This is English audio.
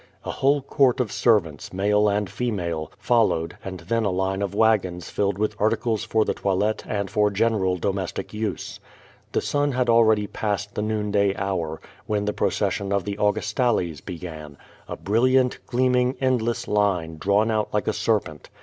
A whole court of servants, male and female, followed and then a line of wagons filled with articles for the toilet and for general domestic use. The sun had already passed the noonday hour, when the procession of the Augustales began — a brilliant, gleaming, endless line, drawn out like a serpent.